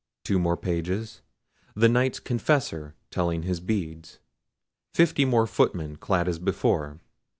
Two more pages. The Knight's confessor telling his beads. Fifty more footmen clad as before.